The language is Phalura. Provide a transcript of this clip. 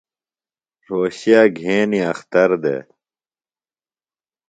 رھوشے گھینیۡ اختر دےۡ۔